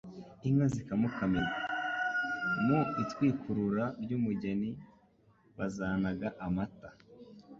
inka zikamukamirwa. Mu itwikurura ry'umugeni bazanaga amata.